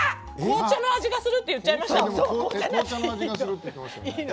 紅茶の味がするって言っちゃいました！